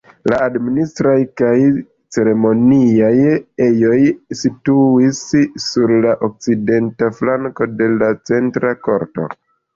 La administraj kaj ceremoniaj ejoj situis sur la okcidenta flanko de la centra korto.